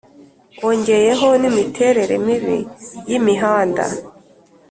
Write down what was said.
wongeyeho n'imiterere mibi y'imihanda.